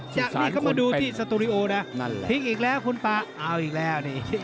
จากนี้เขามาดูที่สตูริโอนะพลิกอีกแล้วคุณป่าเอาอีกแล้ว